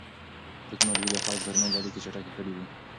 تکنالوژي د خلکو ترمنځ اړیکې چټکې کړې دي.